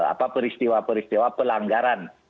apa peristiwa peristiwa pelanggaran